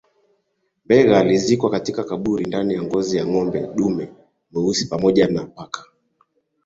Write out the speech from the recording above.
Mbegha alizikwa katika kaburi ndani ya ngozi ya ngombe dume mweusi pamoja na paka